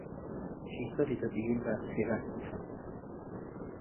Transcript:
She studied at the University of Exeter.